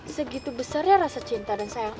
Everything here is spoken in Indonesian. segitu besar ya rasa cinta dan sayang